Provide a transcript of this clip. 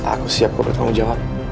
aku siap kau bertanggung jawab